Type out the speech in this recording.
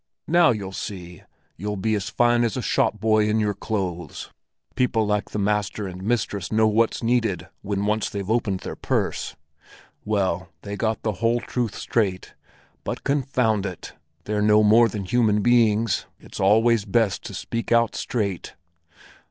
Now you'll see, you'll be as fine as a shop boy in your clothes; people like the master and mistress know what's needed when once they've opened their purse. Well, they got the whole truth straight, but confound it! they're no more than human beings. It's always best to speak out straight."